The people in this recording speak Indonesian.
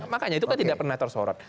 makanya itu kan tidak pernah tersorot